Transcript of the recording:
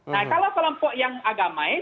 nah kalau kelompok yang agama